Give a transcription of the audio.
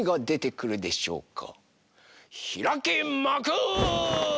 ひらけまく！